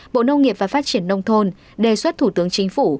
bộ nông nghiệp và phát triển nông thôn đề xuất thủ tướng chính phủ